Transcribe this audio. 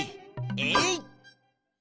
えい！